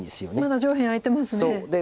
まだ上辺空いてますね。